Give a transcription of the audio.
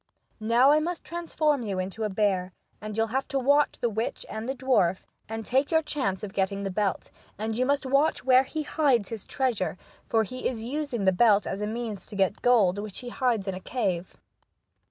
" Now I must transform you into a bear, and you'll "have to watch the witch and the dwarf, and take your chance of getting the belt ; and you must watch where he hides his treasure, for he is using the belt as a means to get gold, which he hides in a cave."